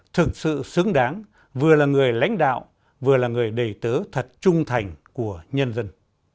thực sự xứng đáng vừa là người lãnh đạo vừa là người đầy tớ thật trung thành của nhân dân